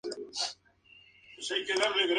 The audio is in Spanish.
Milan en la historia.